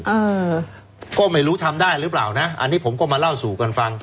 เออก็ไม่รู้ทำได้หรือเปล่านะอันนี้ผมก็มาเล่าสู่กันฟัง